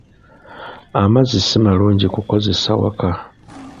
Amazzi si malungi kukozesa waka.